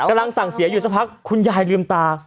กำลังสั่งเสียอยู่สักพักคุณยายลืมตา